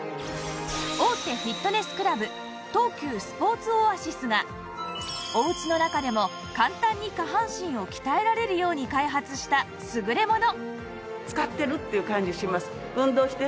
大手フィットネスクラブ東急スポーツオアシスがお家の中でも簡単に下半身を鍛えられるように開発した優れもの